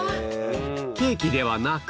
ケーキではなく。